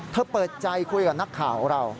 พ่อเปิดใจคุยกับนักข่าวเรา